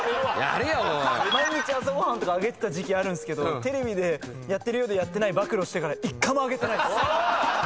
毎日朝ご飯とか上げてた時期あるんですけどテレビでやってるようでやってない暴露してから１回も上げてない。